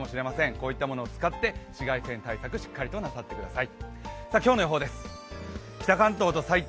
こういったものを使って紫外線対策しっかりとなさってください。